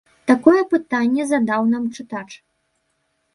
Такое пытанне задаў нам чытач.